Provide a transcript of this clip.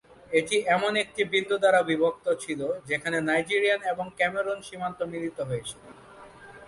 এটি এমন একটি বিন্দু দ্বারা বিভক্ত ছিল যেখানে নাইজেরিয়ান এবং ক্যামেরুন সীমান্ত মিলিত হয়েছিল।